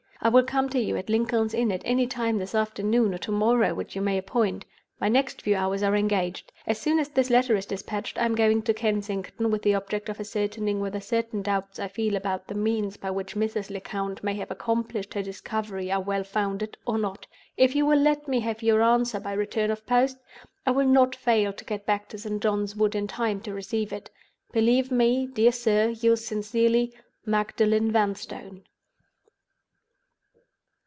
I will come to you at Lincoln's Inn at any time this afternoon or to morrow which you may appoint. My next few hours are engaged. As soon as this letter is dispatched, I am going to Kensington, with the object of ascertaining whether certain doubts I feel about the means by which Mrs. Lecount may have accomplished her discovery are well founded or not. If you will let me have your answer by return of post, I will not fail to get back to St. John's Wood in time to receive it. "Believe me, dear sir, yours sincerely, "MAGDALEN VANSTONE."